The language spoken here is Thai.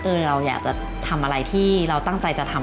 เราอยากจะทำอะไรที่เราตั้งใจจะทำ